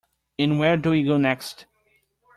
And where do we go next?